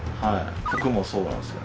服もそうなんですよ。